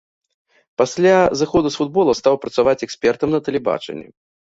Пасля зыходу з футбола стаў працаваць экспертам на тэлебачанні.